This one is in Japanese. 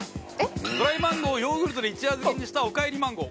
ドライマンゴーをヨーグルトで一夜漬けにしたおかえりマンゴー。